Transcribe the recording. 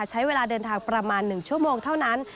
ใช้เวลาเดินทางประมาณ๑ชั่วโมงเท่านั้น